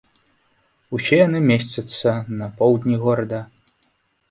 Усе яны месцяцца на поўдні горада.